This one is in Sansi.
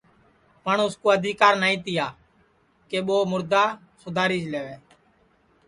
پٹؔ اُس کُو آدیکار نائی تیا کہ ٻو مُردا سُداری لئیوے